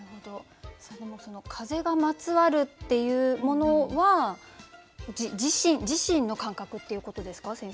さあでもその「風がまつわる」っていうものは自身の感覚っていうことですか？